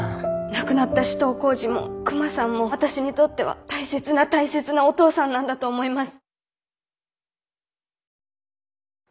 亡くなった首藤幸次もクマさんも私にとっては大切な大切なお父さんなんだと思います。